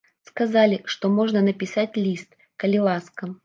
Сказалі, што можна напісаць ліст, калі ласка.